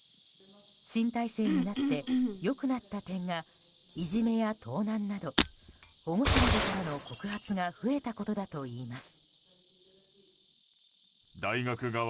新体制になって良くなった点がいじめや盗難など保護者などからの告発が増えたことだといいます。